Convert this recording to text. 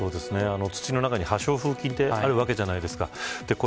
土の中に破傷風菌ってあるわけじゃないですか。